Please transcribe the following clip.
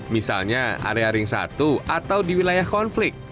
misalnya area ring satu atau di wilayah konflik